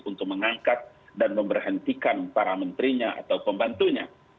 untuk mengangkat dan memberhentikan para menterinya atau pembantunya